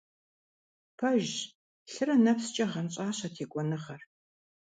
Пэжщ, лъырэ нэпскӀэ гъэнщӀащ а текӀуэныгъэр.